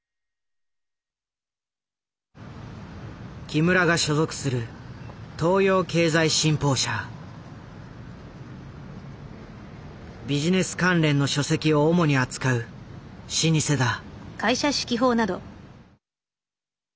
木村が所属するビジネス関連の書籍を主に扱う老舗だ。